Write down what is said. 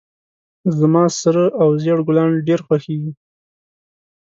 زما سره او زیړ ګلان ډیر خوښیږي